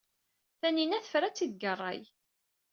Taninna tefra-tt-id deg ṛṛay.